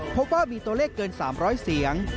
พบว่ามีตัวเลขเกิน๓๐๐เสียง